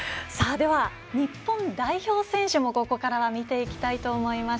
日本代表選手もここからは見ていきたいと思います。